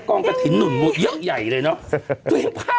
กร้องกะทินนุ่นเยอะใหญ่เลยเนอะ